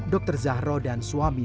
dokter zahra dan suami